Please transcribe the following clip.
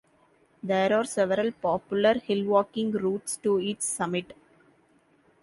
There are several popular hillwalking routes to its summit.